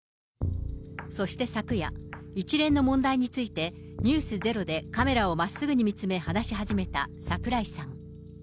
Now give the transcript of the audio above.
そして昨夜、一連の問題について、ｎｅｗｓｚｅｒｏでカメラをまっすぐに見つめ話し始めた櫻井さん。